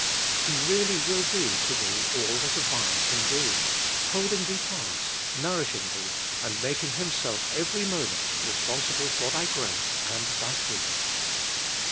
He really will ie to tliee all that a vine can ie^ — holding thee fast, nourishing thee, and making Himself every moment responsible for thy growth and thy fruit.